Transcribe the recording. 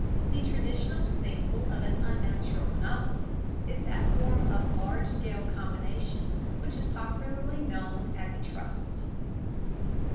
The traditional example of an unnatural monopoly is that form of large scale combination which is popularly known as a trust.